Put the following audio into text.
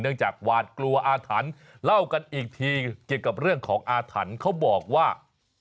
จากหวาดกลัวอาถรรพ์เล่ากันอีกทีเกี่ยวกับเรื่องของอาถรรพ์เขาบอกว่า